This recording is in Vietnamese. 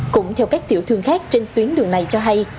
cũng theo các tiểu thương khác trên tuyến đường này cho hay